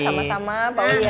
terima kasih pak uya